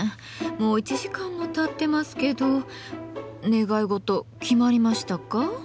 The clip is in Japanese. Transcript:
もう１時間もたってますけど願い事決まりましたか？